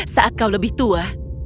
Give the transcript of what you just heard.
saat kau lebih tua